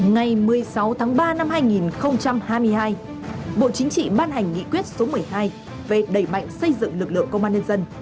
ngày một mươi sáu tháng ba năm hai nghìn hai mươi hai bộ chính trị ban hành nghị quyết số một mươi hai về đẩy mạnh xây dựng lực lượng công an nhân dân